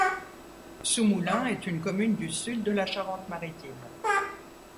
Sousmoulins est une commune du sud de la Charente-Maritime.